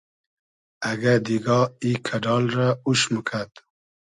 اگۂ دیگا ای کئۮال رۂ اوش موکئد